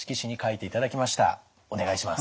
お願いします。